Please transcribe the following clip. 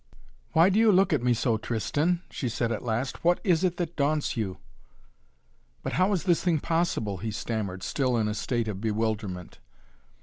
"Why do you look at me so, Tristan?" she said at last. "What is it that daunts you?" "But how is this thing possible?" he stammered, still in a state of bewilderment.